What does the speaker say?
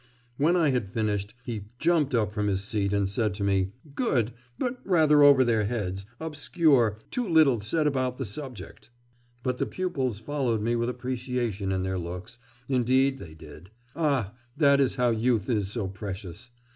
When I had finished, he jumped up from his seat and said to me, "Good, but rather over their heads, obscure, and too little said about the subject." But the pupils followed me with appreciation in their looks indeed they did. Ah, that is how youth is so precious!